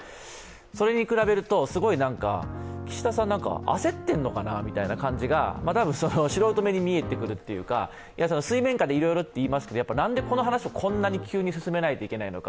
それに比べると岸田さん、何か焦っているのかなみたいな感じが多分、素人目に見えてくるというか水面下でいろいろと言いますけど何でこの話をこんなに急に進めないといけないのか。